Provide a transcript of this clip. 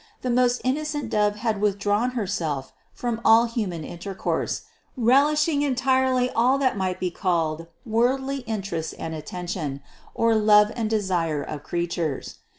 The most inno cent Dove had withdrawn Herself from all human in tercourse, relinquishing entirely all that might be called worldly interest and attention, or love and desire of creatures.